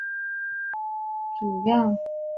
主要城镇为隆勒索涅。